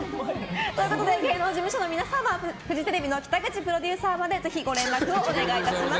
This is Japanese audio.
芸能事務所の皆様フジテレビの北口プロデューサーまでぜひご連絡をお願いします。